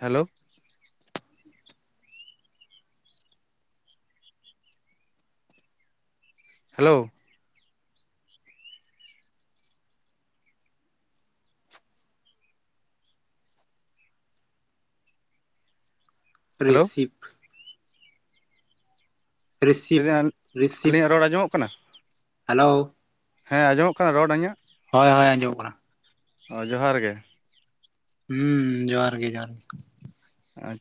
Hello hello hello ᱨᱤᱥᱯ ᱨᱤᱥᱯ ᱞᱟᱹᱭᱫᱟᱹᱧ ᱨᱤᱥᱯ ᱟᱹᱞᱤᱧᱟᱜ ᱨᱚᱲ ᱟᱸᱡᱚᱢᱚᱜ ᱠᱟᱱᱟ ᱦᱮᱞᱳ ᱦᱮᱸ ᱟᱸᱡᱚᱢᱚᱜ ᱠᱟᱱᱟ ᱨᱚᱲᱟᱹ ᱤᱧᱟᱹᱜ? ᱦᱳᱭ ᱦᱳᱭ ᱟᱸᱡᱚᱢᱚᱜ ᱠᱟᱱᱟ᱾ ᱚ ᱡᱚᱦᱟᱨ ᱜᱮ ᱦᱩᱸ ᱡᱚᱦᱟᱨ ᱜᱮ ᱡᱚᱦᱟᱨ ᱜᱮ᱾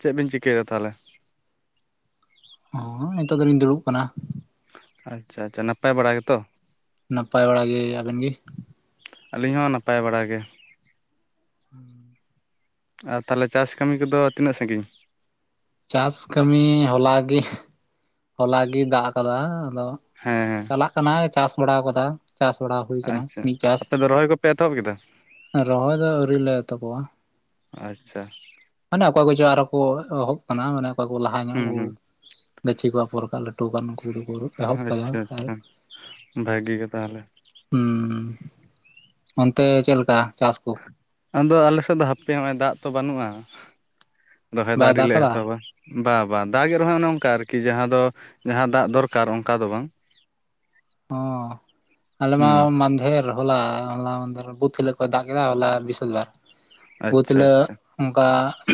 ᱪᱮᱜ ᱵᱤᱱ ᱪᱤᱠᱟᱹᱭᱮᱫᱟ ᱛᱟᱦᱚᱞᱮ? ᱦᱚᱸ ᱱᱤᱛᱚᱜ ᱫᱚᱞᱤᱧ ᱫᱩᱲᱩᱵ ᱠᱟᱱᱟ᱾ ᱟᱪᱪᱷᱟ ᱟᱪᱪᱷᱟ ᱱᱟᱯᱟᱭ ᱵᱟᱲᱟ ᱜᱮᱛᱚ᱾ ᱱᱟᱯᱟᱭ ᱵᱟᱲᱟ ᱜᱮ ᱟᱵᱮᱱ ᱜᱤ? ᱟᱹᱞᱤᱧ ᱦᱚᱸ ᱱᱟᱯᱟᱭ ᱵᱟᱲᱟ ᱜᱮ᱾ [unintelligible] ᱟᱨ ᱛᱟᱞᱮ ᱪᱟᱥ ᱠᱟᱹᱢᱤ ᱠᱚᱫᱚ ᱛᱤᱱᱟᱹᱜ ᱥᱟᱺᱜᱤᱧ? ᱪᱟᱥ ᱠᱟᱹᱢᱤ ᱦᱚᱞᱟ ᱜᱤ ᱦᱚᱞᱟ ᱜᱤ ᱫᱟᱜ ᱟᱠᱟᱫᱟ ᱟᱫᱚ ᱦᱮᱸ ᱦᱮᱸ ᱞᱟᱜ ᱠᱟᱱᱟᱭ ᱪᱟᱥ ᱵᱟᱲᱟᱣᱟᱠᱟᱫᱟ ᱪᱟᱥ ᱵᱟᱲᱟ ᱦᱩᱭ ᱟᱠᱟᱱᱟ ᱟᱪᱪᱷᱟ ᱢᱤᱫ ᱪᱟᱥ ᱟᱯᱮ ᱫᱚ ᱨᱚᱦᱚᱭ ᱠᱚᱯᱮ ᱮᱛᱚᱦᱚᱵ ᱠᱮᱫᱟ ᱨᱚᱦᱚᱭ ᱫᱚ ᱟᱹᱣᱨᱤ ᱞᱮ ᱮᱛᱚᱵᱚᱼᱟ ᱟᱪᱪᱷᱟ ᱢᱮᱱᱟᱜ ᱠᱚᱣᱟ ᱜᱚ ᱚᱠᱚᱭ ᱠᱚᱪᱚ ᱟᱨ ᱠᱚ ᱮᱦᱚᱵ ᱟᱠᱟᱱᱟ ᱢᱟᱱᱮ ᱚᱠᱚᱠᱟ ᱠᱚ ᱞᱟᱦᱟ ᱧᱚᱜ ᱦᱩᱸ ᱠᱚ ᱦᱩᱸ ᱪᱷᱤ ᱠᱚ ᱯᱚᱨ ᱠᱟᱜ ᱞᱟᱹᱴᱩ ᱠᱟᱱ ᱩᱱᱠᱩ ᱫᱚᱠᱚ ᱮᱦᱚᱵ ᱠᱟᱭᱟ ᱟᱪᱪᱷᱟ ᱟᱨ ᱟᱪᱪᱷᱟ ᱵᱷᱟᱜᱤ ᱜᱮ ᱛᱟᱦᱚᱞᱮ ᱦᱩᱸ ᱚᱱᱛᱮ ᱪᱮᱫ ᱞᱮᱠᱟ ᱪᱟᱥ ᱠᱚ? ᱟᱫᱚ ᱟᱞᱮ ᱥᱮᱫ ᱫᱚ ᱦᱟᱯᱮ ᱦᱚᱸᱜᱼᱚᱭ ᱫᱟᱜ ᱛᱚ ᱵᱟᱹᱱᱩᱜᱼᱟ, ᱨᱚᱦᱚᱭ ᱫᱚ ᱵᱟᱭ ᱫᱟᱜ ᱟᱹᱣᱨᱤᱞᱮ ᱠᱟᱫᱟ ᱮᱛᱚᱦᱚᱵᱟ ᱵᱟ ᱵᱟ ᱫᱟᱜᱮᱫ ᱨᱮᱦᱚᱸᱭ ᱚᱱᱮ ᱚᱱᱠᱟ ᱟᱨᱠᱤ ᱡᱟᱦᱟᱸ ᱫᱚ ᱡᱟᱦᱟᱸ ᱫᱟᱜ ᱫᱚᱨᱠᱟᱨ ᱚᱱᱠᱟ ᱫᱚ ᱵᱟᱝ [inaudible] ᱚᱸ ᱟᱞᱮᱢᱟ ᱦᱩᱸ ᱢᱟᱱᱫᱷᱮᱨ ᱦᱚᱞᱟ ᱦᱚᱞᱟ ᱢᱟᱫᱷᱮᱨ ᱵᱩᱛ ᱦᱤᱞᱚᱜ ᱠᱚᱭ ᱫᱟᱜ ᱠᱮᱫᱟ ᱦᱚᱞᱟ ᱵᱤᱥᱟᱞ ᱫᱟᱜ ᱵᱩᱛ ᱟᱪᱪᱷᱟ ᱦᱤᱞᱚᱜ ᱟᱪᱪᱷᱟ ᱚᱱᱠᱟ ᱟᱸᱥ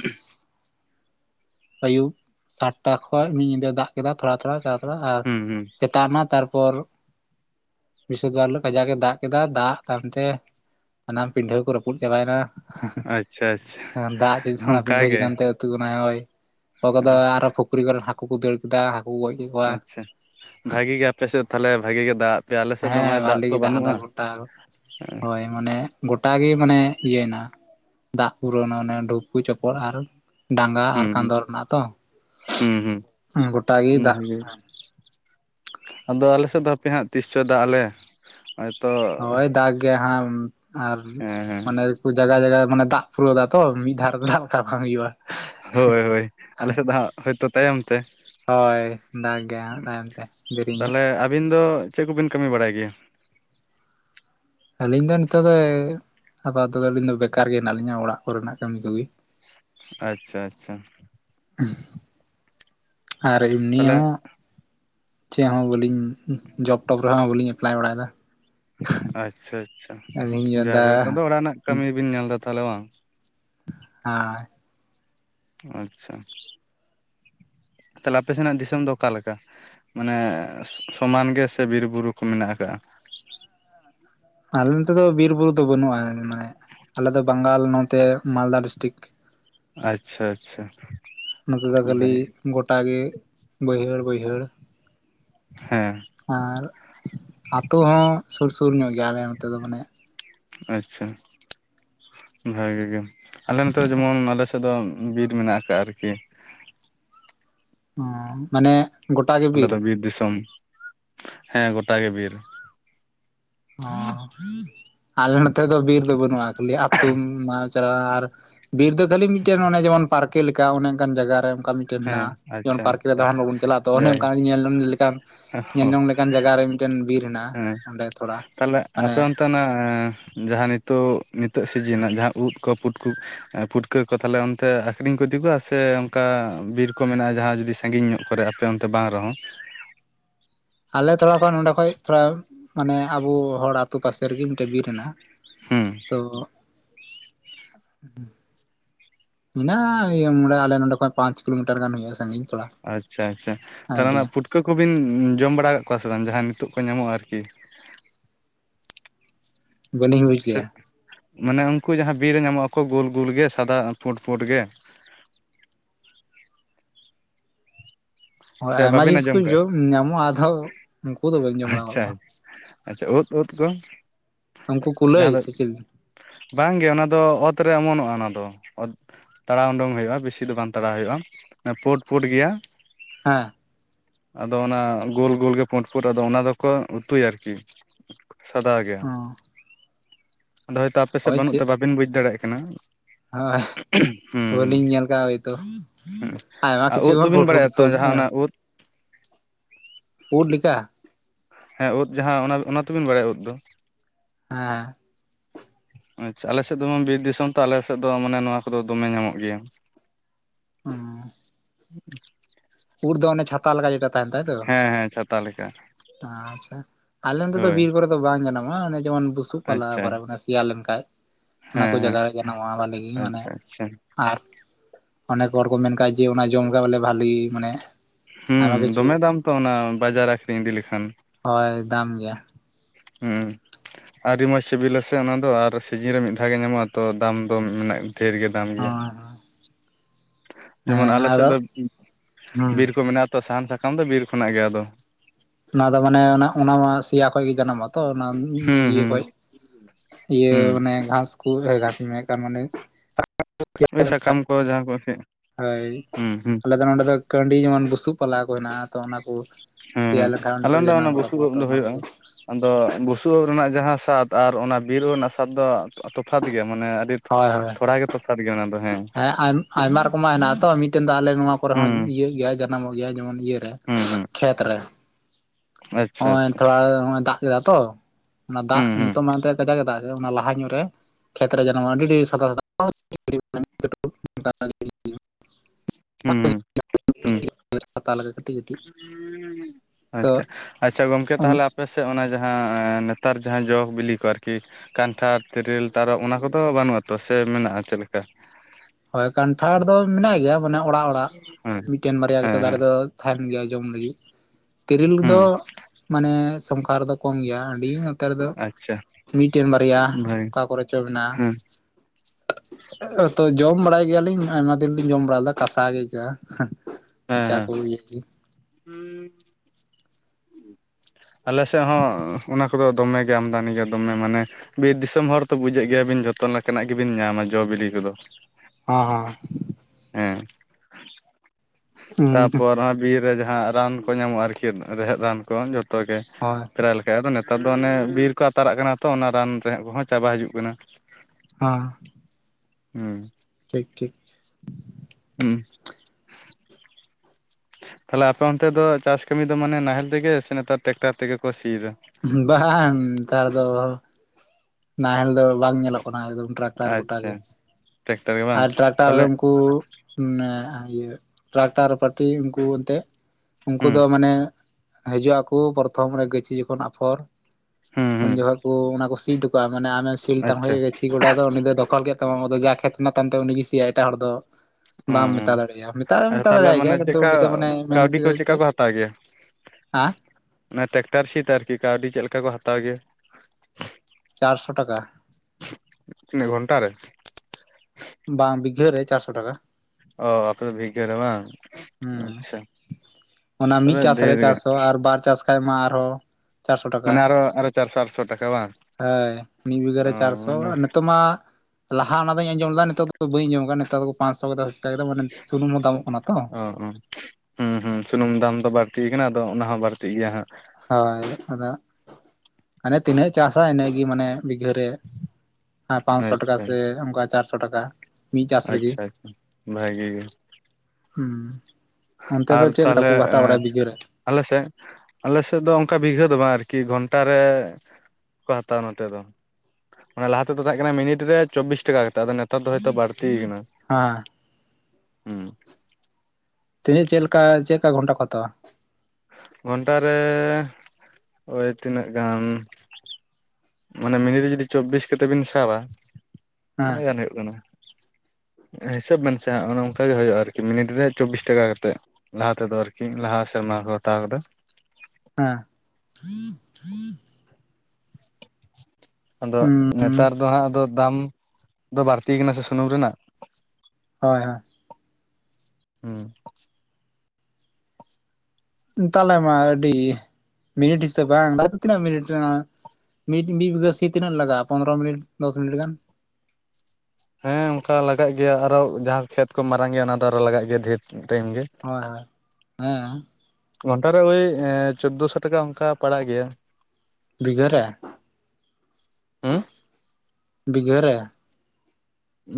ᱟᱹᱭᱩᱵ ᱥᱟᱛᱴᱟ ᱠᱷᱚᱡ ᱢᱤᱫ ᱧᱤᱫᱟᱹ ᱫᱟᱜ ᱠᱮᱫᱟ ᱛᱷᱚᱲᱟ ᱛᱷᱚᱲᱟ ᱪᱟᱥ ᱟᱨ ᱦᱩᱸ ᱦᱩᱸ ᱥᱮᱛᱟᱜ ᱮᱱᱟ ᱛᱟᱨᱯᱚᱨ ᱵᱤᱥᱩᱫ ᱵᱟᱞ ᱠᱟᱡᱟᱠᱜᱮ ᱫᱟᱜ ᱠᱮᱫᱟ ᱫᱟᱜ ᱛᱟᱭᱚᱢᱛᱮ ᱥᱟᱱᱟᱢ ᱯᱤᱰᱷᱟᱹ ᱠᱚ ᱨᱟᱹᱯᱩᱫ ᱪᱟᱵᱟᱭᱮᱱᱟ, ᱟᱪᱪᱷᱟ ᱟᱪᱪᱷᱟ ᱦᱚᱸ ᱚ, ᱫᱟᱜ ᱪᱮᱛᱟᱱ ᱚᱱᱟ ᱚᱱᱠᱟ ᱯᱤᱰᱷᱟᱹ ᱜᱮ ᱪᱮᱛᱟᱱ ᱛᱮ ᱟᱹᱛᱩᱜ ᱠᱟᱱᱟ ᱦᱚᱭ, ᱚᱠᱚᱭ ᱠᱚᱫᱚ ᱟᱨᱚᱦᱚ ᱯᱩᱠᱷᱨᱤ ᱠᱚᱨᱮ ᱦᱟᱹᱠᱩ ᱠᱚ ᱫᱟᱹᱲ ᱠᱮᱫᱟ ᱦᱟᱠᱩ ᱜᱚᱡ ᱠᱮᱫ ᱠᱚᱣᱟ ᱟᱪᱪᱷᱟ, ᱵᱷᱟᱹᱜᱤ ᱜᱮ ᱟᱯᱮ ᱥᱮᱫ ᱛᱟᱦᱚᱞᱮ ᱵᱷᱟᱹᱜᱤ ᱜᱮ ᱫᱟᱜ ᱟᱫ ᱯᱮᱭᱟ ᱟᱞᱮᱥᱮᱫ ᱫᱚ ᱦᱮᱸ ᱱᱚᱜᱼᱚᱭ ᱫᱟᱜ ᱵᱷᱟᱞᱤ ᱛᱚ ᱜᱮ ᱟᱫᱟ ᱵᱟᱹᱱᱩᱜᱼᱟ ᱜᱚᱴᱟ ᱦᱮᱸ ᱦᱳᱭ ᱢᱟᱱᱮ ᱜᱚᱴᱟ ᱜᱮ ᱢᱟᱱᱮ ᱤᱭᱟᱹᱭᱱᱟ, ᱫᱟᱜ ᱯᱩᱨᱟᱹᱣ ᱱᱟ ᱚᱱᱮ ᱰᱩᱯᱠᱩ ᱪᱚᱯᱚᱞ ᱟᱨᱼᱼ ᱰᱟᱸᱜᱟ ᱟᱨ ᱦᱩᱸ ᱠᱟᱸᱫᱚᱨ ᱨᱮᱱᱟᱜ ᱛᱚ ᱦᱩᱸ ᱦᱩᱸ ᱜᱚᱴᱟᱜᱮᱭ ᱦᱩᱸ ᱫᱟᱜ ᱵᱷᱟᱜᱮ ᱟᱫᱚ ᱟᱞᱮ ᱥᱮᱫ ᱫᱚ ᱦᱟᱯᱮ ᱦᱟᱸᱜ ᱛᱤᱥ ᱪᱚᱭ ᱫᱟᱜ ᱟᱞᱮ ᱦᱚᱭᱛᱚ ᱦᱚᱭ ᱫᱟᱜ ᱜᱮᱭᱟᱭ ᱦᱟᱸᱜ ᱟᱨ ᱦᱮᱸ ᱦᱮᱸ ᱚᱱᱮ ᱡᱟᱜᱟ ᱡᱟᱭᱜᱟ ᱢᱟᱱᱮ ᱫᱟᱜ ᱯᱩᱨᱟᱹᱣ ᱫᱟ ᱛᱚ, ᱢᱤᱫ ᱫᱷᱟᱣ ᱨᱮ ᱫᱟᱜ ᱞᱮᱠᱟ ᱵᱟᱝ ᱦᱩᱭᱩᱜᱼᱟ ᱦᱚᱭ ᱦᱚᱭ ᱟᱞᱮ ᱥᱮᱫ ᱫᱚ ᱦᱟᱸᱜ ᱦᱚᱭᱛᱚ ᱛᱟᱭᱚᱢ ᱛᱮ ᱦᱚᱭ ᱫᱟᱜ ᱜᱮᱭᱟᱭ ᱛᱟᱭᱚᱢ ᱛᱮ ᱧᱚᱜ ᱛᱟᱦᱚᱞᱮ ᱟᱹᱵᱤᱱ ᱫᱚ ᱪᱮᱫ ᱠᱚᱵᱮᱱ ᱠᱟᱹᱢᱤ ᱵᱟᱲᱟᱭ ᱜᱮᱭᱟ? ᱟᱹᱞᱤᱧ ᱫᱚ ᱱᱤᱛᱚᱜ ᱫᱚ ᱟᱯᱟᱛᱚ ᱫᱚ ᱟᱹᱞᱤᱧ ᱫᱚ ᱵᱮᱠᱟᱨ ᱜᱮ ᱦᱮᱸᱱᱟᱜ ᱞᱤᱧᱟ, ᱚᱲᱟᱜ ᱠᱚᱨᱮᱱᱟᱜ ᱠᱟᱹᱢᱤ ᱠᱚᱜᱤ ᱟᱪᱪᱷᱟ ᱟᱪᱪᱷᱟ ᱩᱦᱸ ᱟᱨ ᱮᱢᱱᱤ ᱛᱟᱦᱚᱞᱮ ᱦᱚᱸ ᱪᱮᱫ ᱦᱚᱸ ᱵᱟᱹᱞᱤᱧ ᱡᱚᱵ ᱴᱚᱯ ᱨᱮᱦᱚᱸ ᱵᱟᱹᱞᱤᱧ ᱮᱯᱞᱟᱭ ᱵᱟᱲᱟᱭᱮᱫᱟ ᱟᱪᱪᱷᱟ ᱟᱪᱪᱷᱟ, ᱟᱹᱞᱤᱧ ᱢᱮᱱᱫᱟ ᱡᱟᱭᱦᱩᱠ ᱟᱫᱚ ᱚᱲᱟᱜ ᱨᱮᱱᱟᱜ ᱠᱟᱹᱢᱤ ᱵᱤᱱ ᱧᱮᱞ ᱮᱫᱟ ᱛᱟᱦᱚᱞᱮ ᱵᱟᱝ ᱟᱸ ᱟᱪᱪᱷᱟ ᱛᱟᱦᱞᱮ ᱟᱯᱮ ᱥᱮᱱᱟᱜ ᱫᱤᱥᱚᱢ ᱫᱚ ᱚᱠᱟ ᱞᱮᱠᱟ? ᱢᱟᱱᱮ, ᱥᱚᱢᱟᱱ ᱜᱮ ᱥᱮ ᱵᱤᱨ ᱵᱩᱨᱩ ᱠᱚ ᱢᱮᱱᱟᱜ ᱟᱠᱟᱫ-ᱟ ᱟᱞᱮ ᱱᱚᱛᱮ ᱫᱚ ᱵᱤᱨᱵᱩᱨᱩ ᱫᱚ ᱵᱟᱹᱱᱩᱜᱼᱟ ᱢᱟᱱᱮ ᱟᱞᱮ ᱫᱚ ᱵᱟᱝᱜᱟᱞ ᱱᱚᱛᱮ ᱢᱟᱞᱫᱟ ᱰᱤᱥᱴᱨᱤᱠᱴ ᱟᱪᱪᱷᱟ ᱟᱪᱪᱷᱟ ᱱᱚᱛᱮ ᱫᱚ ᱠᱷᱟᱹᱞᱤ ᱵᱷᱟᱜᱮ ᱜᱚᱴᱟ ᱜᱮ ᱵᱟᱹᱭᱦᱟᱹᱲ ᱵᱟᱹᱭᱦᱟᱹᱲ ᱦᱮᱸ ᱸ ᱟᱨ ᱟᱹᱛᱩ ᱦᱚᱸ ᱥᱩᱨ ᱥᱩᱨ ᱧᱚᱜ ᱜᱮᱭᱟᱞᱮ ᱟᱞᱮ ᱱᱚᱛᱮ ᱫᱚ ᱢᱟᱱᱮ ᱟᱪᱪᱷᱟ ᱵᱷᱟᱹᱜᱤ ᱜᱮ ᱟᱞᱮ ᱱᱚᱛᱮ ᱫᱚ ᱡᱮᱢᱚᱱ ᱟᱞᱮᱥᱮᱫ ᱫᱚ ᱵᱤᱨ ᱢᱮᱱᱟᱜ ᱟᱠᱟᱫ ᱟᱨᱠᱤ ᱚᱸ ᱢᱟᱱᱮ ᱜᱚᱴᱟ ᱜᱮ ᱟᱞᱮ ᱫᱚ ᱵᱤᱨ ᱫᱤᱥᱚᱢ, ᱦᱮᱸ ᱜᱚᱴᱟ ᱜᱮ ᱵᱤᱨ ᱚᱸ ᱟᱞᱮ ᱱᱚᱛᱮ ᱫᱚ ᱵᱤᱨ ᱫᱚ ᱵᱟᱹᱱᱩᱜᱼᱟ ᱠᱷᱟᱹᱞᱤ ᱟᱛᱩ ᱢᱟ ᱪᱟᱞᱟᱜᱼᱟ ᱟᱨ ᱵᱤᱨ ᱫᱚ ᱠᱷᱟᱹᱞᱤ ᱢᱤᱫᱴᱟᱝ ᱚᱱᱮ ᱡᱮᱢᱚᱱ ᱯᱟᱨᱠᱮ ᱞᱮᱠᱟ ᱚᱱᱮ ᱚᱱᱠᱟᱱ ᱡᱟᱭᱜᱟᱨᱮ ᱚᱱᱠᱟ ᱢᱤᱫᱴᱮᱱ ᱢᱮᱱᱟᱜᱼᱟ ᱦᱮᱸ ᱡᱮᱢᱚᱱ ᱟᱪᱪᱷᱟ ᱯᱟᱨᱠ ᱨᱮ ᱟᱪᱪᱷᱟ ᱫᱟᱬᱟᱱ ᱵᱟᱵᱚᱱ ᱪᱟᱞᱟᱜᱼᱟ ᱛᱚ ᱚᱱᱮ ᱚᱱᱠᱟ ᱧᱮᱞᱮᱞ ᱞᱮᱠᱟᱱ ᱡᱟᱭᱦᱳᱠ ᱧᱮᱞᱡᱚᱝ ᱞᱮᱠᱟᱱ ᱡᱟᱭᱜᱟᱨᱮ ᱢᱤᱫᱴᱮᱱ ᱵᱤᱨ ᱦᱮᱱᱟᱜᱼᱟ ᱦᱮᱸ ᱚᱸᱰᱮ ᱛᱷᱚᱲᱟ᱾ ᱛᱟᱦᱚᱞᱮ ᱢᱟᱱᱮ ᱟᱯᱮ ᱚᱱᱛᱮᱱᱟᱜ ᱡᱟᱦᱟᱸ ᱱᱤᱛᱚᱜ ᱱᱤᱛᱚᱜ ᱥᱤᱡᱤᱱ ᱱᱟᱸᱜ ᱢᱟᱦᱟᱸ ᱩᱫ ᱠᱚ ᱯᱩᱴᱠᱩ ᱯᱩᱴᱠᱟᱹ ᱠᱚ ᱛᱟᱦᱚᱞᱮ ᱚᱱᱛᱮ ᱟᱠᱷᱨᱤᱧ ᱠᱚ ᱤᱫᱤ ᱠᱚᱣᱟ ᱥᱮ ᱚᱱᱠᱟ ᱵᱤᱨ ᱠᱚ ᱢᱮᱱᱟᱜᱼᱟ ᱡᱟᱦᱟᱸ ᱡᱩᱫᱤ ᱥᱟᱺᱜᱤᱧ ᱧᱚᱜ ᱠᱚᱨᱮ ᱟᱯᱮ ᱚᱱᱛᱮ ᱵᱟᱝ ᱨᱮᱦᱚᱸ᱾ ᱟᱞᱮ ᱛᱷᱚᱲᱟ ᱠᱷᱱ ᱱᱚᱸᱰᱮ ᱠᱷᱚᱡ ᱛᱷᱚᱲᱟ ᱢᱟᱱᱮ ᱟᱵᱚ ᱦᱚᱲ ᱟᱛᱳ ᱯᱟᱥᱮ ᱨᱮᱜᱮ ᱢᱤᱫᱴᱮᱡ ᱵᱤᱨ ᱦᱮᱱᱟᱜᱟ ᱦᱩᱸ ᱛᱚ ᱢᱮᱱᱟᱜᱼᱟ ᱤᱭᱟᱹ ᱱᱚᱰᱮ ᱟᱞᱮ ᱱᱚᱰᱮ ᱠᱷᱚᱡ ᱯᱟᱸᱪ ᱠᱤᱞᱳᱢᱤᱴᱟᱨ ᱜᱟᱱ ᱦᱩᱭᱩᱜᱼᱟ ᱥᱟᱺᱜᱤᱧ ᱛᱷᱚᱲᱟ ᱟᱪᱪᱷᱟ ᱟᱪᱪᱷᱟ ᱟᱭᱰᱤᱭᱟ ᱛᱟᱦᱚᱞᱮᱱᱟᱜ ᱯᱷᱩᱴᱠᱟᱹ ᱟᱹᱠᱩᱵᱤᱱ ᱡᱚᱢ ᱵᱟᱲᱟ ᱟᱠᱟᱫ ᱠᱚᱣᱟ ᱥᱮ ᱵᱟᱝ ᱡᱟᱦᱟᱸ ᱱᱤᱛᱚᱜ ᱠᱚ ᱧᱟᱢᱚᱜᱼᱟ ᱟᱨᱠᱤ ᱵᱟᱹᱞᱤᱧ ᱵᱩᱡᱽ ᱥᱮ ᱞᱮᱜᱼᱟ ᱢᱟᱱᱮ ᱩᱱᱠᱩ ᱡᱟᱦᱟᱸ ᱵᱤᱨ ᱨᱮ ᱧᱟᱢᱚᱜ ᱟᱠᱚ ᱜᱳᱞ ᱜᱳᱩᱞ ᱜᱮ ᱥᱟᱫᱟ ᱯᱩᱰ ᱯᱩᱰ ᱜᱮ ᱦᱳᱭ ᱥᱮ ᱟᱭᱢᱟ ᱵᱟᱵᱮᱱ ᱡᱤᱱᱤᱥ ᱠᱚ ᱟᱸᱡᱚᱢ ᱠᱟᱜᱼᱟ ᱡᱚᱢ ᱧᱟᱢᱚᱜᱼᱟ ᱟᱫᱚ ᱩᱱᱠᱩ ᱫᱚ ᱵᱟᱹᱧ ᱡᱚᱢ ᱵᱟᱲᱟ ᱟᱠᱟᱫ ᱟᱪᱪᱷᱟ ᱠᱚᱣᱟ ᱟᱪᱪᱷᱟ ᱚᱛᱼᱚᱛ ᱠᱚ ᱩᱱᱠᱩ ᱠᱩᱞᱟᱹᱭ ᱡᱟᱦᱟᱸ ᱫᱚ ᱥᱮ ᱪᱤᱞᱤ ᱵᱟᱝ ᱜᱮ ᱚᱱᱟ ᱫᱚ ᱚᱛᱨᱮ ᱚᱢᱚᱱᱚᱜᱼᱟ ᱚᱱᱟ ᱫᱚ ᱛᱟᱲᱟᱣ ᱩᱰᱚᱝ ᱦᱩᱭᱩᱜᱼᱟ ᱵᱮᱥᱤ ᱫᱚ ᱵᱟᱝ ᱛᱟᱲᱟᱣ ᱦᱩᱭᱩᱜᱼᱟ ᱯᱳᱰ ᱯᱳᱰ ᱜᱮᱭᱟ ᱦᱮᱸ ᱟᱫᱚ ᱚᱱᱟ ᱜᱳᱞ ᱜᱳᱞ ᱜᱮ ᱯᱩᱸᱰ ᱯᱩᱸᱰ ᱟᱫᱚ ᱚᱱᱟ ᱫᱚᱠᱚ ᱩᱛᱩᱭᱟ ᱟᱨᱠᱤ ᱥᱟᱫᱟ ᱜᱮᱭᱟ ᱟᱫᱚ ᱦᱳᱭᱛᱳ ᱟᱯᱮᱥᱮᱫ ᱦᱳᱭ ᱵᱟᱹᱱᱩᱜ ᱛᱮ ᱪᱮᱫ ᱵᱟᱵᱤᱱ ᱵᱩᱡᱽ ᱫᱟᱲᱮᱭᱟᱜ ᱠᱟᱱᱟ ᱦᱳᱭ ᱦᱩᱸ ᱵᱟᱹᱞᱤᱧ ᱧᱮᱞ ᱠᱟᱜᱼᱟᱳᱭᱛᱚ ᱦᱩᱸ ᱟᱭᱢᱟ ᱟᱨ ᱩᱫ ᱠᱤᱪᱷᱩ ᱫᱚᱵᱤᱱ ᱯᱷᱩᱴ ᱯᱷᱩᱴ ᱵᱟᱲᱟᱭᱟ ᱥ ᱛᱚ ᱡᱟᱦᱟᱸ ᱚᱱᱟ [inaudible] ᱩᱫ ᱞᱮᱠᱟ ᱦᱮᱸ ᱩᱫ ᱡᱟᱦᱟᱸ ᱚᱱᱟ ᱛᱚᱵᱮᱱ ᱵᱟᱲᱟᱭᱟ ᱩᱫ ᱫᱚ ᱦᱮᱸ [inaudible] ᱟᱪᱪᱷᱟ ᱟᱞᱮ ᱥᱮᱫ ᱫᱚ ᱵᱤᱨ ᱫᱤᱥᱚᱢ ᱛᱚ ᱟᱞᱮ ᱥᱮᱫ ᱫᱚ ᱢᱟᱱᱮ ᱱᱚᱣᱟ ᱠᱚᱫᱚ ᱫᱚᱢᱮ ᱧᱟᱢᱚᱜ ᱜᱮᱭᱟ ᱦᱮᱸ ᱦ [inaudible] ᱩᱲᱫ ᱫᱚ ᱚᱱᱮ ᱪᱷᱟᱛᱟ ᱞᱮᱠᱟ ᱡᱮᱴᱟ ᱛᱟᱦᱮᱱ ᱛᱟᱭᱛᱚ ᱦᱮᱸ ᱦᱮᱸ ᱪᱷᱟᱛᱟ ᱞᱮᱠᱟ ᱟᱪᱪᱷᱟ ᱟᱞᱮ ᱚᱱᱚᱛᱮ ᱫᱚ ᱦᱳᱭ ᱵᱤᱨ ᱠᱚᱨᱮ ᱫᱚ ᱵᱟᱝ ᱡᱟᱱᱟᱢᱚᱜᱼᱟ ᱚᱱᱮ ᱡᱮᱢᱚᱱ ᱵᱩᱥᱩᱜ ᱯᱟᱞᱟ ᱟᱪᱪᱷᱟ ᱠᱚᱨᱮ ᱢᱟᱱᱮ ᱥᱤᱭᱟ ᱞᱮᱱᱠᱷᱟᱡ ᱚᱱᱟ ᱦᱮᱸ ᱠᱚ ᱦᱮᱸ ᱡᱟᱭᱜᱟ ᱨᱮ ᱡᱟᱱᱟᱢᱚᱜᱼᱟ ᱵᱷᱟᱞᱤ ᱜᱮ ᱢᱟᱱᱮ ᱟᱪᱪᱷᱟ ᱟᱪᱪᱷᱟ ᱟᱨ ᱚᱱᱮᱠᱚ ᱠᱚᱲ ᱠᱚ ᱢᱮᱱᱠᱟ ᱡᱮ ᱚᱱᱟ ᱡᱚᱢ ᱠᱟ ᱵᱚᱞᱮ ᱵᱷᱟᱹᱞᱤ ᱜᱤ ᱢᱟᱱᱮ ᱦᱩᱸ ᱟᱭᱢᱟ ᱠᱤᱪᱷᱩ ᱫᱚᱢᱮ ᱫᱟᱢ ᱛᱚ ᱚᱱᱟ ᱵᱟᱡᱟᱨ ᱟᱠᱷᱨᱤᱧ ᱤᱫᱤ ᱞᱮᱠᱷᱟᱱ ᱦᱳᱭ ᱫᱟᱢ ᱜᱮᱭᱟ ᱦᱩᱸ ᱟᱹᱰᱤ ᱢᱚᱸᱡᱽ ᱥᱤᱵᱤᱞᱟᱥᱮ ᱚᱱᱟᱫᱚ ᱟᱨ ᱥᱤᱡᱤᱱ ᱨᱮ ᱢᱤᱜ ᱫᱷᱟᱣ ᱜᱮ ᱧᱟᱢᱚᱜᱼᱟ ᱛᱚ ᱫᱟᱢ ᱫᱚ ᱢᱮᱱᱟᱜᱼᱟ ᱰᱷᱮᱨ ᱜᱮ ᱫᱟᱢ ᱜᱤᱭᱟ ᱦᱳᱭ ᱡᱮᱢᱚᱱ ᱦᱮᱸ ᱟᱞᱮ ᱥᱮᱜ ᱟᱫᱚ ᱫᱚ ᱦᱩᱸ ᱵᱤᱨ ᱠᱚ ᱢᱮᱱᱟᱜ ᱟᱛᱚ ᱥᱟᱦᱟᱱ ᱥᱟᱠᱟᱢ ᱫᱚ ᱵᱤᱨ ᱠᱷᱚᱱᱟᱜ ᱜᱮ ᱟᱫᱚ ᱚᱱᱟ ᱫᱚ ᱢᱟᱱᱮ ᱚᱱᱟ ᱢᱟ ᱥᱮᱭᱟ ᱠᱷᱚᱡ ᱜᱮ ᱡᱟᱱᱟᱢᱚᱜ ᱟᱛᱚ ᱚᱱᱟ ᱦᱩᱸ ᱤᱭᱟᱹ ᱦᱩᱸ ᱠᱷᱚᱡ ᱤᱭᱟᱹ ᱦᱩᱸ ᱢᱟᱱᱮ ᱜᱷᱟᱥ ᱠᱩ ᱜᱷᱟᱥ ᱢᱮᱱᱮᱜ ᱠᱟᱱ ᱢᱟᱱᱮ ᱥᱟ ᱳᱭ ᱥᱟᱠᱟᱢ ᱠᱚ ᱡᱟᱦᱟᱸ ᱠᱚᱥᱮᱜ ᱦᱟᱭ ᱟᱞᱮ ᱫᱚ ᱱᱚᱸᱰᱮ ᱫᱚ ᱠᱟᱺᱰᱤ ᱡᱮᱢᱚᱱ ᱵᱩᱥᱩᱜ ᱯᱟᱞᱟ ᱠᱚ ᱦᱮᱱᱟᱜᱼᱟ ᱛᱚ ᱚᱱᱟ ᱠᱚ ᱦᱩᱸ ᱥᱮᱭᱟ ᱦᱩᱸ ᱞᱮᱱᱠᱷᱟᱱ ᱟᱞᱮ ᱠᱷᱚᱡ ᱚᱸᱰᱮ ᱚᱱᱟ ᱡᱟᱱᱟᱢ ᱵᱩᱥᱩᱜ ᱨᱟᱠᱟᱵᱚᱜᱼᱟ ᱳᱜ ᱛᱚ ᱫᱚ ᱚᱱᱟ ᱦᱳᱭᱳᱜᱼᱟ ᱠᱚᱜᱮ ᱾ ᱟᱫᱚ ᱵᱩᱥᱩᱜ ᱳᱜ ᱨᱮᱱᱟᱜ ᱡᱟᱦᱟᱸ ᱥᱟᱫ ᱟᱨ ᱚᱱᱟ ᱵᱤᱨ ᱳᱜ ᱨᱮᱱᱟᱜ ᱥᱟᱫ ᱫᱚ ᱛᱚᱯᱷᱟᱛ ᱜᱮᱭᱟ ᱢᱟᱱᱮ ᱰᱤᱛ ᱦᱳᱭ ᱦᱳᱭ ᱛᱷᱚᱲᱟ ᱜᱮ ᱛᱚᱯᱷᱟᱛ ᱜᱮᱭᱟ ᱚᱱᱟ ᱫᱚ ᱦᱮᱸ ᱟᱭᱢᱟ ᱨᱚᱠᱚᱢᱟᱜ ᱦᱮᱱᱟᱜᱼᱟ ᱛᱚ ᱢᱤᱜᱴᱮᱱ ᱫᱚ ᱟᱞᱮ ᱱᱚᱣᱟ ᱠᱚᱨᱮ ᱦᱚᱸ ᱦᱩᱸ ᱤᱭᱟᱹᱜ ᱜᱤᱭᱟ ᱡᱟᱱᱟᱢᱚᱜ ᱜᱤᱭᱟ ᱡᱮᱢᱚᱱ ᱤᱭᱟᱹ ᱨᱮ ᱦᱩᱸ ᱦᱩᱸ ᱠᱷᱮᱛ ᱨᱮ ᱟᱪᱪᱷᱟ ᱚᱭ ᱟᱪᱪᱷᱟ ᱛᱷᱚᱲᱟ ᱚᱭ ᱫᱟᱜ ᱠᱮᱫᱟ ᱛᱚ ᱚᱱᱟ ᱫᱟᱜ ᱦᱩᱸ ᱦᱩᱸ ᱱᱤᱛᱚᱝ ᱢᱟᱝᱛᱮ ᱠᱟᱡᱟᱠ ᱫᱟᱜ ᱚᱱᱟ ᱞᱟᱦᱟ ᱧᱚᱜ ᱨᱮ ᱠᱷᱮᱛ ᱨᱮ ᱡᱟ ᱟᱹᱰᱤ [inaudible] ᱦᱩᱸ ᱦᱩᱸ ᱦᱩᱸ [unintelligible] ᱠᱟᱹᱴᱤᱜ ᱠᱟᱹᱴᱤᱜ ᱟᱪᱪᱷᱟ ᱟᱪᱪᱷᱟ ᱜᱚᱝᱠᱮ ᱛᱟᱦᱚᱞᱮ, ᱯᱮᱥᱮᱜ ᱚᱱᱟ ᱡᱟᱦᱟᱸ ᱱᱮᱛᱟᱨ ᱡᱟᱦᱟᱸ ᱡᱚ ᱵᱤᱞᱤ ᱠᱚ ᱟᱨᱠᱤ, ᱠᱟᱱᱴᱷᱟᱲ, ᱛᱮᱨᱮᱞ, ᱛᱟᱨᱚᱵ ᱚᱱᱟ ᱠᱚᱫᱚ ᱵᱟᱹᱱᱩᱜ ᱟᱛᱚ ᱥᱮ ᱢᱮᱱᱟᱜᱼᱟ ᱪᱮᱜ ᱞᱮᱠᱟ? ᱦᱚᱭ ᱠᱟᱱᱴᱷᱟᱲ ᱫᱚ ᱢᱮᱱᱟᱜ ᱜᱮᱭᱟ ᱢᱟᱱᱮ ᱚᱲᱟᱜ-ᱚᱲᱟᱜ ᱦᱮᱸ ᱢᱤᱫᱴᱮᱱ ᱵᱟᱨᱭᱟ ᱦᱮᱸ ᱠᱟᱛᱮᱜ ᱫᱟᱨᱮ ᱦᱮᱸ ᱫᱚ᱾ ᱛᱟᱷᱮᱱ ᱜᱮᱭᱟ ᱡᱚᱢ ᱞᱟᱹᱜᱤᱜ ᱾ ᱛᱤᱨᱤᱞ ᱦᱩᱸ ᱫᱚ ᱢᱟᱱᱮ ᱥᱚᱝᱠᱷᱟ ᱨᱮᱫᱚ ᱠᱚᱢ ᱜᱮᱭᱟ ᱟᱹᱰᱤ ᱧᱚ ᱛᱮᱨ ᱫᱚ ᱟᱪᱪᱷᱟ ᱢᱤᱜᱴᱮᱱ ᱵᱟᱨᱭᱟ ᱵᱷᱟᱹᱜᱤ ᱚᱠᱟ ᱠᱚᱨᱮ ᱪᱚ ᱢᱮᱱᱟᱜᱼᱟ᱾ ᱦᱮᱸ [unintelligible] ᱛᱚ ᱡᱚᱢ ᱵᱟᱲᱟᱭ ᱜᱮᱭᱟᱞᱤᱧ ᱟᱭᱢᱟ ᱫᱤᱱ ᱞᱤᱧ ᱡᱚᱢ ᱵᱟᱲᱟ ᱞᱮᱫᱟ ᱠᱟᱥᱟ ᱜᱮ ᱟᱹᱭᱠᱟᱹᱜᱼᱟ᱾ ᱦᱮᱸ ᱢᱚᱪᱟ ᱦᱮᱸ᱾ ᱠᱚ ᱤᱭᱟᱹ ᱜᱮ ᱟᱞᱮ ᱥᱮᱜ ᱦᱚᱸ ᱚᱱᱟ ᱠᱚᱫᱚ ᱫᱚᱢᱮ ᱜᱮ ᱟᱢᱫᱟᱱᱤ ᱜᱮ ᱫᱚᱢᱮ ᱢᱟᱱᱮ ᱵᱤᱨ ᱫᱤᱥᱚᱢ ᱦᱚᱲ ᱛᱚ ᱵᱩᱡᱮᱜ ᱜᱮᱭᱟᱵᱤᱱ ᱡᱷᱚᱛᱚ ᱱᱟᱠᱟᱱᱟᱜ ᱜᱮᱵᱤᱱ ᱧᱟᱢᱟ ᱡᱚᱼ ᱵᱤᱞᱤ ᱠᱚᱫᱚ ᱾ ᱦᱟᱸ ᱦᱟᱸ᱾ ᱦᱮᱸ ᱦᱚᱸ ᱛᱟᱯᱚᱨ ᱚᱸ ᱵᱤᱨ ᱨᱮ ᱡᱟᱦᱟᱸ ᱨᱟᱱ ᱠᱚ ᱧᱟᱢᱚᱜᱼᱟ ᱟᱨᱠᱤ ᱨᱮᱦᱮᱫ ᱨᱟᱱ ᱠᱚ ᱡᱷᱚᱛᱚ ᱜᱮ, ᱦᱳᱭ᱾ ᱯᱨᱟᱭ ᱞᱮᱠᱟ ᱟᱫᱚ ᱱᱮᱛᱟᱨ ᱫᱚ ᱚᱱᱮ ᱵᱤᱨ ᱠᱚ ᱟᱛᱟᱨᱟᱜ ᱠᱟᱱᱟ ᱛᱚ ᱚᱱᱟ ᱨᱟᱱ ᱨᱮᱦᱮᱜ ᱠᱚᱦᱚᱸ ᱪᱟᱵᱟ ᱦᱤᱡᱩᱜ ᱠᱟᱱᱟ ᱾ ᱦᱟᱸ᱾ ᱦᱩᱸ᱾ ᱴᱷᱤᱠ ᱴᱷᱤᱠ᱾ ᱦᱩᱸ᱾ ᱛᱟᱦᱞᱮ ᱟᱯᱮ ᱚᱱᱛᱮ ᱫᱚ ᱪᱟᱥ ᱠᱟᱹᱢᱤ ᱫᱚ ᱢᱟᱱᱮ ᱱᱟᱦᱮᱞ ᱛᱮᱜᱮ ᱥᱮ ᱱᱮᱛᱟᱨ ᱴᱮᱠᱴᱟᱨ ᱛᱮᱜᱮ ᱠᱚ ᱥᱤᱭᱫᱟ? ᱵᱟᱝ ᱱᱮᱛᱟᱨ ᱫᱚ ᱱᱟᱦᱮᱞ ᱫᱚ ᱵᱟᱝ ᱧᱮᱞᱚᱜ ᱠᱟᱱᱟ ᱮᱠᱫᱚᱢ, ᱴᱨᱟᱠᱴᱟᱨ ᱜᱚᱴᱟ ᱜᱮ ᱟᱪᱪᱷᱟ ᱴᱮᱠᱴᱟᱨ ᱜᱮ ᱵᱟᱝ ᱟᱨ ᱴᱨᱟᱠᱴᱟᱨ ᱛᱟᱦᱚᱞᱮ ᱩᱝᱠᱩ ᱢᱟᱱᱮ ᱤᱭᱟᱹ ᱴᱨᱟᱠᱴᱟᱨ ᱯᱟᱴᱤ ᱩᱝᱠᱩ ᱭᱟᱛᱮᱜ ᱩᱝᱠᱩ ᱦᱩᱸ ᱫᱚ ᱢᱟᱱᱮ ᱦᱟᱹᱡᱩᱜ ᱟᱠᱩ ᱯᱚᱨᱛᱷᱚᱢ ᱨᱮ ᱜᱟᱹᱪᱷᱤ ᱡᱚᱠᱷᱚᱱ ᱟᱯᱷᱚᱨ ᱦᱩᱸ ᱩᱱ ᱦᱩᱸ ᱡᱚᱠᱷᱚᱡ ᱠᱚ ᱚᱱᱟ ᱠᱚ ᱥᱤ ᱛᱚ ᱟᱢᱱᱮ ᱥᱤᱞᱛᱟᱢ ᱟᱪᱪᱷᱟ ᱦᱳᱭᱮ ᱜᱮ ᱛᱤ ᱜᱚᱰᱟ ᱫᱚ ᱩᱱᱤ ᱫᱚ ᱫᱚᱠᱷᱚᱞ ᱠᱮᱫ ᱛᱟᱢᱟ ᱢᱟ, ᱡᱟ ᱠᱷᱮᱛ ᱢᱮᱱᱟᱜ ᱛᱟᱢᱛᱮ ᱩᱱᱤᱜᱮ ᱥᱤᱭᱟ ᱮᱴᱟᱜ ᱦᱚᱲ ᱫᱚ ᱵᱟᱢ ᱦᱩᱸ ᱦᱩᱸ ᱢᱮᱛᱟ ᱫᱟᱲᱮᱭᱟᱭᱟ, ᱢᱮᱛᱟᱭ ᱟᱪᱪᱷᱟ ᱢᱮᱛᱟ ᱛᱟᱦᱚᱞᱮ ᱫᱟᱲᱮᱭᱟᱭ ᱢᱟᱱᱮ ᱜᱮᱭᱟ ᱠᱤᱱᱛᱩ ᱪᱮᱫᱠᱟ ᱩᱱᱤ ᱫᱚ ᱢᱟᱱᱮ ᱢᱮᱱ ᱠᱟᱹᱣᱰᱤ ᱠᱚ ᱠᱮᱫᱟᱭ ᱡᱮ ᱪᱮᱫᱠᱟ ᱠᱚ ᱦᱟᱛᱟᱣ ᱜᱮᱭᱟ? ᱦᱟᱸ᱾ ᱚᱱᱟ ᱴᱮᱠᱴᱟᱨ ᱥᱤᱛᱮ ᱟᱨᱠᱤ ᱠᱟᱣᱰᱤ ᱪᱮᱜ ᱞᱮᱠᱟ ᱠᱚ ᱦᱟᱛᱟᱣ ᱜᱮᱭᱟ? ᱪᱟᱨᱥᱳ ᱴᱟᱠᱟ᱾ ᱤᱱᱟᱹᱜ ᱜᱷᱚᱱᱴᱟ ᱨᱮ? ᱵᱟᱝ ᱵᱤᱜᱷᱟᱹᱨ ᱨᱮ ᱪᱟᱨᱥᱚ ᱴᱟᱠᱟ᱾ ᱚ ᱟᱯᱮᱫᱚ ᱵᱷᱤᱜᱟᱹ ᱨᱮ ᱵᱟᱝ, ᱦᱩᱸ ᱟᱪᱪᱷᱟ ᱚᱱᱟ ᱢᱤᱫ ᱛᱟᱞᱦᱮᱜ ᱪᱟᱥ ᱨᱮ ᱰᱷᱮᱨ ᱜᱮ᱾ ᱪᱟᱨᱥᱚ ᱟᱨ ᱵᱟᱨ ᱪᱟᱥ ᱠᱷᱟᱡ ᱢᱟ ᱟᱨᱚ ᱪᱟᱨᱥᱚ ᱴᱟᱠᱟ ᱢᱟᱱᱮ ᱟᱨᱚ ᱟᱨᱚ ᱪᱟᱨᱥᱚ ᱟᱴᱥᱚ ᱴᱟᱠᱟ ᱵᱟᱝ ᱦᱮᱸᱭ ᱢᱤᱫ ᱵᱤᱜᱷᱟᱹᱨ ᱚ ᱨᱮ ᱪᱟᱨᱥᱚ ᱢᱟᱱᱮ ᱟᱨ ᱛᱚᱢᱟ ᱞᱟᱦᱟ ᱚᱱᱟᱫᱟᱹᱧ ᱟᱸᱡᱚᱢ ᱞᱮᱫᱟ ᱱᱤᱛᱚᱜ ᱫᱚ ᱵᱟᱹᱧ ᱟᱸᱡᱚᱢ ᱠᱟᱫᱟ ᱱᱮᱛᱟᱨ ᱫᱚ ᱠᱚ ᱯᱟᱸᱥᱥᱚ ᱠᱮᱫᱟ ᱥᱮ [unintelligible] ᱥᱩᱱᱩᱢ ᱦᱚᱸ ᱫᱟᱢᱚᱜ ᱠᱟᱱᱟ ᱛᱚ᱾ [unintelligible] ᱦᱩᱸ ᱦᱩᱸ ᱥᱩᱱᱩᱢ ᱫᱟᱢ ᱫᱚ ᱵᱟᱲᱛᱤᱭ ᱠᱟᱱᱟ, ᱟᱫᱚ ᱚᱱᱟ ᱦᱚᱸ ᱵᱟᱲᱛᱤᱜ ᱜᱮᱭᱟ ᱦᱟᱸᱜ᱾ ᱦᱳᱭ ᱟᱫᱚ ᱢᱟᱱᱮ ᱛᱤᱱᱟᱹᱜ ᱪᱟᱥᱟ ᱤᱱᱟᱹ ᱜᱮ ᱢᱟᱱᱮ ᱵᱤᱜᱷᱟᱹ ᱨᱮ, ᱦᱮᱸ ᱯᱟᱸᱥᱥᱳ ᱴᱟᱠᱟ ᱟᱪᱪᱷᱟ ᱥᱮ ᱚᱝᱠᱟ ᱪᱟᱨᱥᱚ ᱴᱟᱠᱟ? ᱢᱤᱫ ᱪᱟᱥ ᱨᱮᱜᱮ ᱟᱪᱷᱟ ᱟᱪᱷᱟ ᱵᱷᱟᱹᱜᱤ ᱜᱮ᱾ ᱦᱩᱸ ᱚᱱᱛᱮ ᱫᱚ ᱟᱨ ᱪᱮᱫ ᱞᱮᱠᱟ ᱛᱟᱞᱦᱮ ᱠᱚ ᱦᱟᱛᱟᱣ ᱮᱸ ᱵᱟᱲᱟᱭᱟ ᱵᱤᱜᱷᱟᱹ ᱨᱮ ᱟᱞᱮ ᱥᱮᱜ ᱟᱞᱮ ᱥᱮᱜ ᱫᱚ ᱚᱝᱠᱟ ᱵᱤᱜᱷᱟᱹ ᱫᱚ ᱵᱟᱝ ᱟᱨᱠᱤ ᱜᱷᱚᱱᱴᱟ ᱨᱮ, ᱠᱚ ᱦᱟᱛᱟᱣᱟ ᱱᱚᱛᱮ ᱫᱚ᱾ ᱚᱱᱟ ᱞᱟᱦᱟ ᱛᱮᱫᱚ ᱛᱟᱦᱮᱸ ᱠᱟᱱᱟ ᱢᱤᱱᱤᱴ ᱨᱮ ᱪᱚᱵᱵᱤᱥ ᱴᱟᱠᱟ ᱠᱟᱛ ᱛᱚ ᱱᱮᱛᱟᱨ ᱫᱚ ᱦᱳᱭᱛᱳ ᱵᱟᱲᱛᱤ ᱠᱟᱱᱟ᱾ ᱦᱮᱸ ᱦᱩᱸ ᱛᱤᱱᱟᱹᱜ ᱪᱮᱜ ᱞᱮᱠᱟ ᱪᱮᱜ ᱞᱮᱠᱟ ᱜᱷᱚᱱᱴᱟ ᱠᱚ ᱦᱟᱛᱟᱣᱟ? ᱜᱷᱚᱱᱴᱟ ᱨᱮ ᱳᱭ ᱛᱤᱱᱟᱹᱜ ᱜᱟᱱ ᱢᱟᱱᱮ ᱢᱤᱫ ᱫᱤᱱ ᱨᱮ ᱡᱩᱫᱤ ᱪᱚᱵᱵᱤᱥ ᱠᱟᱛᱮ ᱵᱤᱱ ᱥᱟᱵᱟ ᱦᱮᱸ ᱛᱤᱱᱟᱹᱜ ᱜᱟᱱ ᱦᱩᱭᱩᱜ ᱠᱟᱱᱟ? ᱦᱤᱥᱟᱹᱵ ᱵᱤᱱ ᱥᱮᱦᱟᱸᱜ ᱚᱱᱮ ᱚᱱᱝᱠᱟ ᱜᱮ ᱦᱩᱭᱩᱜᱼᱟ ᱟᱨᱠᱤ ᱢᱤᱱᱤᱴ ᱨᱮ ᱪᱚᱵᱵᱤᱥ ᱴᱟᱠᱟ ᱠᱟᱛᱮᱫ᱾ ᱞᱟᱦᱟ ᱛᱮᱫᱚ ᱟᱨᱠᱤ ᱞᱟᱦᱟ ᱥᱮᱨᱢᱟ ᱠᱚ ᱦᱟᱛᱟᱣ ᱟᱠᱟᱫᱟ᱾ ᱦᱟᱸ᱾ ᱟᱫᱚᱜ ᱦᱩᱸ ᱱᱮᱛᱟᱨ ᱫᱚ ᱦᱟᱸᱜ ᱟᱫᱚ ᱫᱟᱢ ᱫᱚ ᱵᱟᱲᱛᱤ ᱟᱠᱟᱱᱟ ᱥᱮ ᱥᱩᱱᱩᱢ ᱨᱮᱱᱟᱜ᱾ ᱦᱚᱭ ᱦᱚᱭ᱾ ᱦᱩᱸ᱾ ᱛᱟᱞᱦᱮ ᱢᱟ ᱟᱹᱰᱤ ᱼᱼ ᱢᱤᱱᱤᱴ ᱦᱤᱥᱟᱹᱵ ᱵᱟᱝ [unintelligible] ᱛᱤᱱᱟᱹᱜ ᱢᱤᱱᱤᱴ ᱨᱮᱱᱟᱜ ᱢᱤᱴ ᱢᱤᱫ ᱵᱤᱜᱷᱟᱹ ᱥᱤ ᱛᱤᱱᱟᱹᱜ ᱞᱟᱜᱼᱟ ᱯᱚᱸᱫᱽᱨᱚ ᱢᱤᱱᱤᱴ ᱫᱚᱥ ᱢᱤᱱᱤᱴ ᱜᱟᱱ? ᱦᱮᱸ ᱚᱝᱠᱟ ᱞᱟᱜᱟᱜ ᱜᱮᱭᱟ ᱟᱨᱦᱚ ᱡᱟᱦᱟᱸ ᱠᱷᱮᱛ ᱠᱚ ᱢᱟᱨᱟᱝ ᱜᱮᱭᱟ ᱚᱱᱟ ᱫᱚ ᱟᱨᱚ ᱞᱟᱜᱟᱜ ᱜᱮᱭᱟ ᱰᱷᱮᱨ ᱴᱟ. ᱭᱤᱢ ᱜᱮ᱾ ᱦᱚᱭ ᱦᱚᱭ᱾ ᱦᱚᱸ᱾ ᱜᱷᱚᱱᱴᱟᱨᱮ ᱩᱭ ᱪᱚᱫᱽᱫᱚ ᱥᱚ ᱴᱟᱠᱟ ᱚᱝᱠᱟ ᱯᱟᱲᱟᱜ ᱜᱮᱭᱟ᱾ ᱵᱤᱜᱷᱟᱹ ᱦᱩᱸ ᱨᱮ-ᱵᱤᱜᱷᱟᱹ ᱨᱮ᱾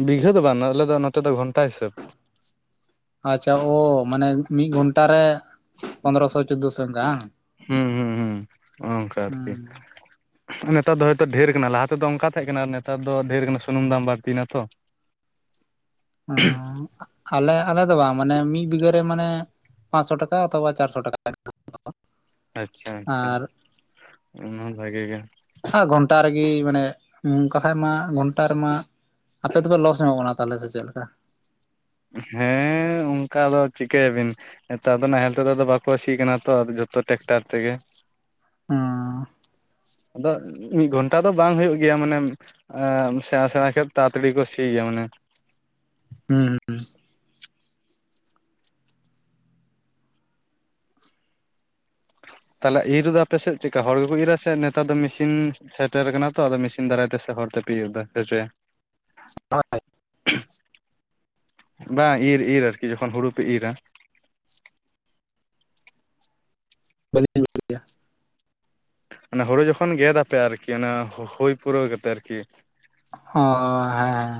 ᱵᱤᱜᱷᱟᱹ ᱫᱚ ᱵᱟᱝ ᱟᱞᱮᱫᱚ ᱱᱚᱛᱮ ᱫᱚ ᱜᱷᱚᱱᱴᱟ ᱦᱤᱥᱟᱹᱵᱽ᱾ ᱟᱪᱷᱟ ᱚ ᱢᱟᱱᱮᱜ ᱢᱤᱫ ᱜᱷᱚᱱᱴᱟᱨᱮ ᱯᱚᱸᱫᱽᱨᱚ ᱥᱚ ᱪᱩᱫᱽᱫᱚ ᱥᱚ ᱚᱝᱠᱟ ᱵᱟᱝ? ᱦᱩᱸ ᱦᱩᱸ ᱦᱩᱸ ᱚᱱᱠᱟ ᱟᱨᱠᱤ ᱦᱩᱸ᱾ ᱱᱮᱛᱟᱨ ᱫᱚ ᱦᱚᱭᱛᱚ ᱰᱷᱮᱨ ᱟᱠᱟᱱᱟ ᱞᱟᱦᱟ ᱛᱮᱫᱚ ᱚᱝᱠᱟ ᱛᱟᱦᱮᱸ ᱠᱟᱱᱟ ᱟᱨ ᱱᱮᱛᱟᱨ ᱫᱚ ᱰᱷᱮᱨ ᱠᱟᱱᱟ ᱥᱩᱱᱩᱢ ᱫᱟᱢ ᱵᱟ. ᱲᱛᱤᱱᱟ ᱛᱚ᱾ [inaudible] ᱚᱸᱻ ᱟᱞᱮ ᱟᱞᱮ ᱫᱚ ᱵᱟᱝ ᱢᱟᱱᱮ ᱢᱤᱫ ᱵᱤᱜᱷᱟᱹ ᱨᱮ ᱢᱟᱱᱮ ᱯᱟᱸᱥᱥᱚ ᱴᱟᱠᱟ ᱦᱟᱛᱟᱣᱟ ᱪᱟᱨᱥᱚ ᱴᱟᱠᱟ᱾ ᱟᱪᱪᱷᱟ [unintelligible] ᱟᱪᱪᱷᱟ ᱟᱨ ᱚᱱᱟ ᱦᱚᱸ ᱵᱷᱟ. ᱜᱤ ᱜᱮ᱾ ᱜᱷᱚᱱᱴᱟ ᱨᱮᱜᱮ ᱢᱟᱱᱮ ᱱᱚᱝᱠᱟ ᱠᱷᱟᱡ ᱢᱟ ᱜᱷᱚᱱᱴᱟ ᱨᱮᱢᱟ ᱟᱯᱮ ᱫᱚᱯᱮ ᱞᱚᱥ ᱧᱚᱜᱚᱜ ᱠᱟᱱᱟ ᱥᱮ ᱛᱟᱦᱚᱞᱮ ᱥᱮ ᱪᱮᱫ ᱞᱮᱠᱟ? ᱦᱮᱸ ᱚᱝᱠᱟ ᱫᱚ ᱪᱤᱠᱟᱹᱭᱟ. ᱵᱤᱱ᱾ ᱱᱮᱛᱟᱨ ᱫᱚ ᱱᱟᱦᱮᱞ ᱛᱮᱫᱚ ᱟᱫᱚ ᱵᱟᱠᱚ ᱥᱤ ᱠᱟᱱᱟ ᱛᱚ ᱟᱫᱚ ᱡᱷᱚᱛᱚ ᱴᱮᱠᱴᱟᱨ ᱛᱮᱜᱮ᱾ ᱦᱚᱸᱻ ᱟᱫᱚ ᱢᱤᱫ ᱜᱷᱚᱱᱴᱟ ᱫᱚ ᱵᱟᱝ ᱦᱩᱭᱩᱜ ᱜᱮᱭᱟ ᱢᱟᱱᱮ ᱮ ᱥᱮᱬᱟ ᱥᱮᱬᱟ ᱠᱷᱮᱛ ᱛᱟᱛᱟᱲᱤ ᱠᱚ ᱥᱤ ᱜᱮᱭᱟ ᱢᱟᱱᱮ᱾ ᱦᱩᱸ ᱦᱩᱸ᱾ ᱛᱟᱦᱚᱞᱮ ᱤᱨ ᱨᱮᱫᱚ ᱟᱯᱮᱥᱮᱫ ᱪᱮᱠᱟ ᱦᱚᱲ ᱜᱮᱠᱚ ᱤᱨ ᱟ ᱥᱮ ᱱᱮᱛᱟᱨ ᱫᱚ ᱢᱤᱥᱤᱱ ᱥᱮᱴᱮᱨ ᱟᱠᱟᱱᱟ ᱛᱚ ᱟᱫᱚ ᱢᱮᱥᱤᱱ ᱫᱟᱨᱟᱭ ᱛᱮ ᱥᱮ ᱦᱚᱲ ᱛᱮ ᱯᱮ ᱤᱭᱟ. ᱪᱚᱭᱟ? ᱟ [unintelligible] ᱵᱟᱝ ᱤᱨᱻ ᱤᱨ ᱟᱨᱠᱤ ᱡᱚᱠᱷᱚᱱ ᱦᱩᱲᱩ ᱯᱮ ᱤᱨᱟ᱾ ᱵ [unintelligible] ᱦᱩᱲᱩ ᱡᱚᱠᱷᱚᱱ ᱜᱮᱫ ᱟᱯᱮ ᱟᱨᱠᱤ ᱚᱱᱟ ᱦᱩᱭ ᱯᱩᱨᱟᱹᱣ ᱠᱟᱛᱮᱫ ᱟᱨᱠᱤ? ᱦᱚ ᱦᱮᱸ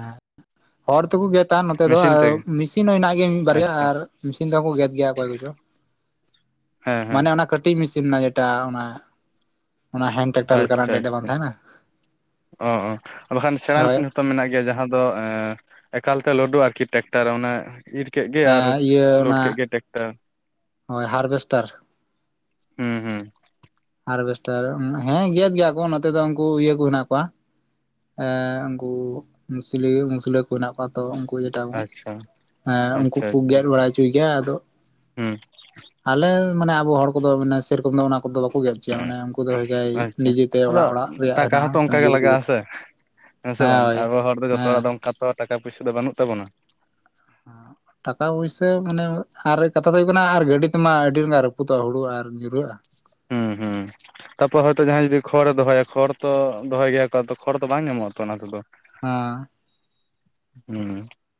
ᱦᱚᱲ ᱛᱚᱠᱚ ᱜᱮᱫ ᱮᱛ ᱱᱚᱛᱮ ᱫᱚ ᱢᱮᱥᱤᱱ ᱟᱨ ᱛᱮᱜᱮ ᱢᱤᱥᱤᱱ ᱦᱚᱸ ᱦᱮᱱᱟᱜ ᱜᱮᱭᱟ ᱢᱤᱫ ᱵᱟᱨᱭᱟ ᱟᱪᱪᱷᱟ ᱟᱨ ᱢᱤᱥᱤᱱ ᱛᱮᱦᱠᱚ ᱜᱮᱫ ᱜᱮᱭᱟ ᱚᱠᱚᱭ ᱠᱚᱪᱚ᱾ ᱦᱮᱸ ᱦᱮᱸ᱾ ᱢᱟᱱᱮ ᱚᱱᱟ ᱠᱟᱹᱴᱤᱡ ᱢᱤᱥᱤᱱ ᱨᱮᱱᱟᱜ ᱡᱮᱴᱟ ᱴᱨᱟᱠᱴᱟᱨ ᱞᱮᱠᱟᱱᱟᱜ ᱟᱪᱷᱟ ᱢᱤᱫᱴᱮᱡ ᱵᱟᱝ ᱟᱪᱷᱟ ᱛᱟᱦᱮᱱᱟ ᱚ ᱵᱟᱠᱷᱟᱱ ᱥᱮᱲᱟ ᱦᱳᱭ ᱢᱤᱥᱤᱱ ᱛᱚ ᱢᱮᱱᱟᱜ ᱜᱮᱭᱟ ᱡᱟᱦᱟᱸ ᱫᱚ ᱮ ᱮᱠᱟᱞᱛᱮ ᱞᱩᱰᱩ ᱟᱨᱠᱤ ᱴᱮᱠᱴᱟᱨ ᱮ ᱚᱱᱮ ᱤᱨ ᱠᱮᱫ ᱜᱮ ᱟᱨ ᱞᱚᱰ ᱠᱮᱫ ᱜᱮ ᱴᱮᱠᱴᱟᱨ ᱦᱚᱭ ᱦᱟᱨᱵᱷᱮᱥᱴᱟᱨ ᱦᱩᱸ ᱦᱩᱸ᱾ ᱦᱟᱨᱵᱷᱮᱥᱴᱟᱨ ᱦᱮᱸ ᱜᱮᱫ ᱜᱮᱭᱟ ᱠᱚ ᱱᱚᱛᱮ ᱫᱚ ᱩᱱᱠᱩ ᱤᱭᱟᱹ ᱠᱚ ᱦᱮᱱᱟᱜ ᱠᱚᱣᱟ ᱮ ᱩᱱᱠᱩ ᱢᱩᱥᱞᱤ ᱢᱩᱥᱞᱟᱹ ᱠᱚ ᱦᱮᱱᱟᱜ ᱠᱚᱣᱟ ᱛᱚ ᱩᱱᱠᱩ ᱟᱪᱪᱷᱟ ᱟᱪᱪᱷᱟ ᱠᱚ ᱟᱪᱪᱷᱟ ᱜᱮᱫ ᱵᱟᱲᱟ ᱦᱚᱪᱚᱭ ᱜᱮᱭᱟ ᱟᱫᱚ ᱦᱩᱸ ᱟᱞᱮ ᱢᱟᱱᱮ ᱟᱵᱚ ᱦᱚᱲ ᱠᱚᱫᱚ ᱢᱟᱱᱮ ᱥᱮᱨᱠᱚᱢ ᱫᱚ ᱚᱱᱟ ᱠᱚᱫᱚ ᱠᱚ ᱜᱮᱫ ᱦᱚᱪᱚᱭᱟ ᱢᱟᱱᱮ ᱩᱱᱠᱩ ᱫᱚ ᱡᱟᱭ ᱟᱪᱪᱷᱟ ᱱᱤᱡᱮᱛᱮ ᱟᱫᱚ ᱚᱲᱟᱜ ᱚᱲᱟᱜ ᱨᱮᱭᱟᱜ ᱴᱟᱠᱟ ᱦᱚᱸᱛᱚ ᱦᱮᱱᱟᱜᱼᱟ ᱚᱱᱠᱟ ᱜᱮ ᱱᱤᱡᱮ ᱛᱮᱠᱚ ᱞᱟᱜᱟᱜᱼᱟ ᱜᱮᱫᱟ ᱥᱮ ᱾ ᱦᱮᱸ ᱥᱮ ᱵᱟᱝ ᱟᱵᱚ ᱦᱚᱲ ᱫᱚ ᱡᱚᱛᱚ ᱦᱚᱲᱟᱜ ᱫᱚ ᱚᱝᱠᱟ ᱛᱚ ᱴᱟᱠᱟ ᱯᱚᱭᱥᱟ ᱫᱚ ᱵᱟᱹᱱᱩᱜ ᱛᱟᱵᱚᱱᱟ ᱾ ᱴᱟᱠᱟ ᱯᱚᱭᱥᱟᱹ ᱢᱟᱱᱮ ᱟᱨ ᱠᱟᱛᱷᱟ ᱫᱚ ᱦᱩᱭᱩᱜ ᱠᱟᱱᱟ ᱟᱨ ᱜᱟᱹᱰᱤ ᱛᱮᱢᱟ ᱟᱹᱰᱤ ᱨᱟᱹᱯᱩᱫ ᱛᱚ ᱦᱩᱲᱩ ᱟᱨ ᱧᱩᱨᱦᱟᱹᱜᱼᱟ ᱾ ᱦᱮᱸ ᱦᱩᱸ ᱛᱟᱯᱚᱨ ᱦᱚᱭᱛᱳ ᱡᱟᱦᱟᱸᱭ ᱡᱩᱫᱤ ᱠᱷᱚᱲᱮ ᱫᱚᱦᱚᱭᱟ ᱠᱷᱚᱲ ᱛᱚ ᱫᱚᱦᱚᱭ ᱜᱮᱭᱟ ᱠᱚ ᱠᱷᱚᱲ ᱫᱚ ᱵᱟᱝ ᱧᱟᱢᱚᱜᱼᱟᱛᱚ ᱚᱱᱟ ᱛᱮᱫᱚ ᱾ ᱦᱟᱸᱻ ᱦᱩᱸ